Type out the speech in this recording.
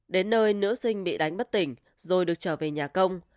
đến nơi nữ sinh bị đánh bất tỉnh rồi được trở về nhà công